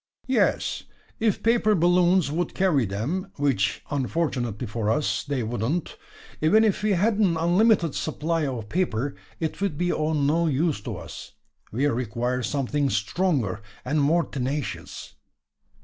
"Yes, if paper balloons would carry them; which, unfortunately for us, they wouldn't. Even if we had an unlimited supply of paper, it would be of no use to us. We require something stronger, and more tenacious."